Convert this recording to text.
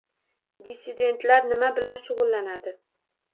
Dissidentlar nima bilan shug‘ullanadi